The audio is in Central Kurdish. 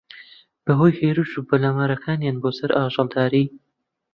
بەھۆی ھێرش و پەلامارەکانیان بۆسەر ئاژەڵداری